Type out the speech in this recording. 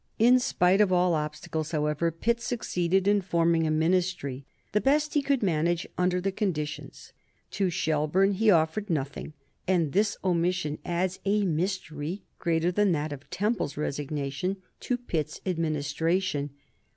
In spite of all obstacles, however, Pitt succeeded in forming a Ministry, the best he could manage under the conditions. To Shelburne he offered nothing, and this omission adds a mystery greater than that of Temple's resignation to Pitt's administration.